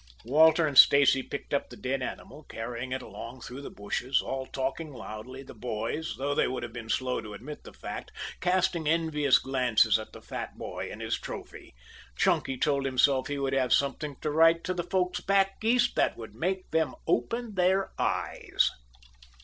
Walter and Stacy picked up the dead animal, carrying it along through the bushes, all talking loudly, the boys though they would have been slow to admit the fact casting envious glances at the fat boy and his trophy. Chunky told himself he would have something to write to the folks back East that would make them open their eyes.